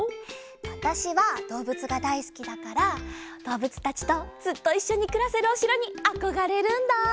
わたしはどうぶつがだいすきだからどうぶつたちとずっといっしょにくらせるおしろにあこがれるんだ！